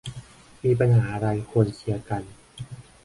มีปัญหาอะไรควรเคลียร์กัน